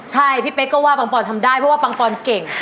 ใช่พี่เป๊กก็ว่าปังปอนทำได้เพราะว่าปังปอนเก่ง